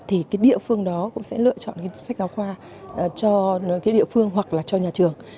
thì địa phương đó cũng sẽ lựa chọn sách giáo khoa cho địa phương hoặc là cho nhà trường